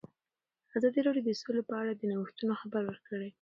ازادي راډیو د سوله په اړه د نوښتونو خبر ورکړی.